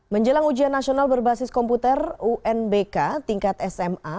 menjelang ujian nasional berbasis komputer unbk tingkat sma